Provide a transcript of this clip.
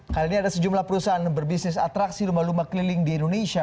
kali ini ada sejumlah perusahaan berbisnis atraksi rumah rumah keliling di indonesia